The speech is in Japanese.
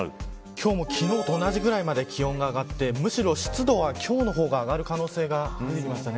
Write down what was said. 今日も昨日と同じくらいまで気温が上がって、むしろ湿度は今日の方が上がる可能性が出てきました。